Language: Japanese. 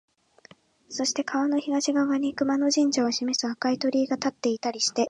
そして川の東側に熊野神社を示す赤い鳥居が立っていたりして、